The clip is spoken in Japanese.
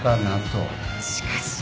しかし